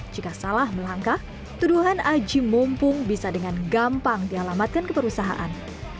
jika salah melangkah tuduhan ajim mumpung bisa dengan gampang dialamatkan keperusahaan